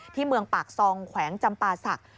ที่เมืองปากซองแขวงจำปาศักดิ์